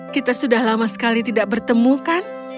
kita sudah lama sekali tidak bertemu kan